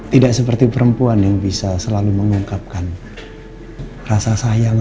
tidak seperti perempuan yang bisa selalu mengungkapkan rasa sayang